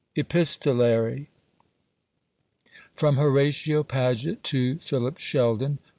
EPISTOLARY. From Horatio Paget to Philip Sheldon.